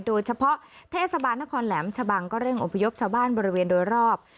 โดยเฉพาะเทศบาลนครแหลมชะบังก็เร่งอพยพชาวบ้านบริเวณโดยรอบ